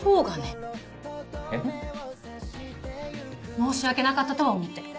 申し訳なかったとは思ってる。